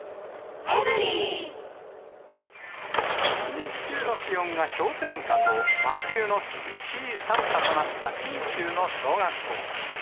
日中の気温が氷点下と、真冬の厳しい寒さとなった信州の小学校。